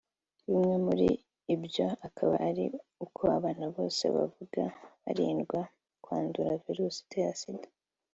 Bimwe muri ibyo akaba ari uko abana bose bavuka barindwa kwandura virusi itera sida